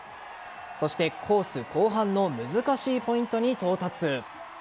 そして、コース後半の難しいポイントに到達。